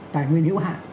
tài nguyên hữu hạn